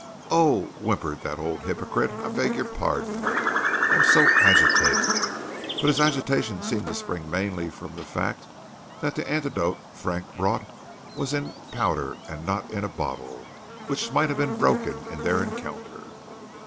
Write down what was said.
"Oh," whimpered that old hypocrite, "I beg your pardon; I am so agitated!" But his agitation seemed to spring mainly from the fact that the antidote Frank brought was in powder and not in a bottle, which might have been broken in their encounter.